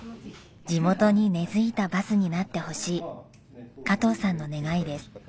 地元に根付いたバスになってほしい加藤さんの願いです。